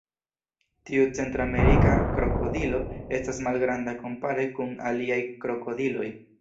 Tiu centramerika krokodilo estas malgranda kompare kun aliaj krokodiloj.